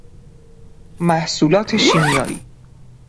محصولات شیمیایی